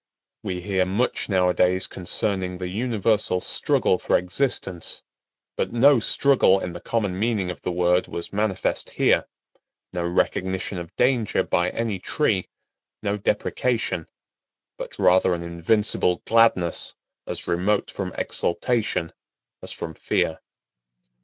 We hear much nowadays concerning the universal struggle for existence, but no struggle in the common meaning of the word was manifest here; no recognition of danger by any tree; no deprecation; but rather an invincible gladness as remote from exultation as from fear.